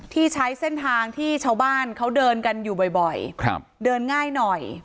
ที่ใช้เส้นทางที่ชาวบ้านเขาเดินกันอยู่บ่อยเดินง่ายหน่อย